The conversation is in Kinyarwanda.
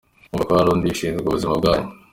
Mwumva ko hari undi ushinzwe ubuzima bwanyu?